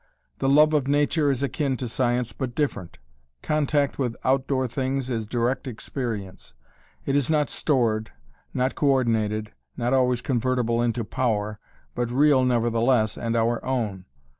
The love of nature is akin to Science but different. Contact with outdoor things is direct experience. It is not stored, not co ordinated, not always convertible into power, but real, nevertheless, and our own.